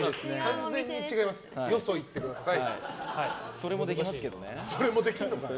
それもできますけどね。